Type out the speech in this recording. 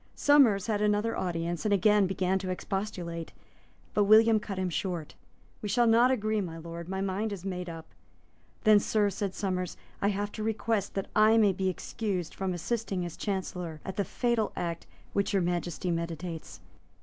Somers had another audience, and again began to expostulate. But William cut him short. "We shall not agree, my Lord; my mind is made up." "Then, Sir," said Somers, "I have to request that I may be excused from assisting as Chancellor at the fatal act which Your Majesty meditates.